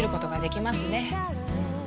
うん。